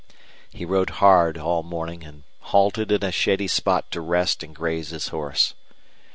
He rode hard all morning and halted in a shady spot to rest and graze his horse.